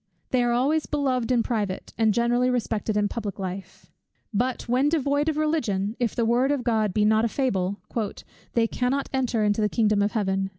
They are always beloved in private, and generally respected in public life. But when devoid of Religion, if the word of God be not a fable, "they cannot enter into the kingdom of Heaven."